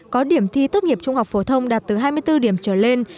có điểm thi tốt nghiệp trung học phổ thông đạt từ hai mươi bốn điểm trở lên